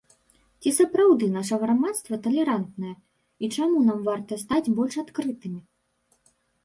Ці сапраўды наша грамадства талерантнае і чаму нам варта стаць больш адкрытымі?